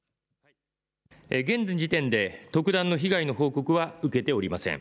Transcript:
現時点で特段の被害の報告は入っていません。